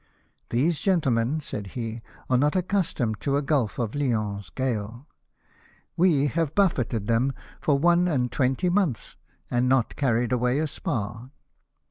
" These gentlemen," said he, "are not accustomed to a Gulf of Lyons gale ; we have buffeted them for one and twenty months, and not carried away a spar."